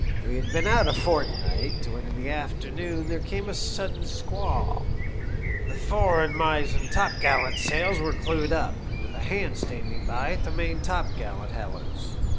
" We had been out a fortnight, when in the afternoon there came on a sudden squall. The fore and mizen topgallant sails were clewed up, with a hand standing by at the main topgallant halUards.